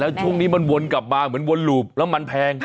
แล้วช่วงนี้มันวนกลับมาเหมือนวนลูบแล้วมันแพง